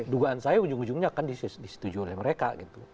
dugaan saya ujung ujungnya akan disetujui oleh mereka gitu